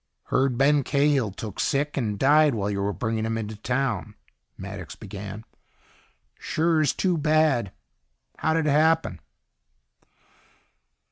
"Heard Ben Cahill took sick and died while you were bringing him into town," Maddox began. "Sure is too bad. How did it happen?"